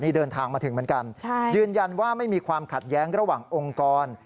นี่เดินทางมาถึงเหมือนกันยืนยันว่าไม่มีความขัดแย้งระหว่างองค์กร